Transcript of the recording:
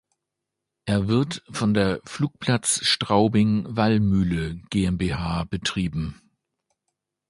Er wird von der "Flugplatz Straubing-Wallmühle GmbH" betrieben.